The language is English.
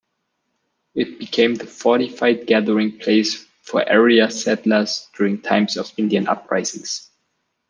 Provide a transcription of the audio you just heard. It became the fortified gathering place for area settlers during times of Indian uprisings.